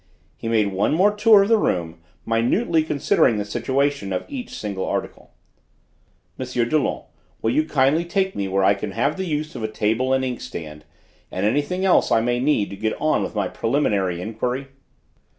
He made one more tour of the room, minutely considering the situation of each single article. "M. Dollon, will you kindly take me where I can have the use of a table and inkstand, and anything else I may need to get on with my preliminary enquiry?"